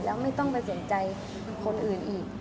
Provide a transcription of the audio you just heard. แล้วไม่ต้องเป็นเสียงใจคนอื่นอีก